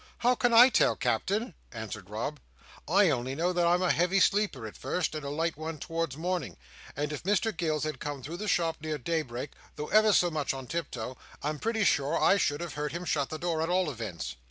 "How can I tell, Captain!" answered Rob. "I only know that I'm a heavy sleeper at first, and a light one towards morning; and if Mr Gills had come through the shop near daybreak, though ever so much on tiptoe, I'm pretty sure I should have heard him shut the door at all events."